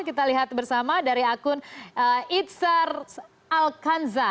kita lihat bersama dari akun itzar alkanza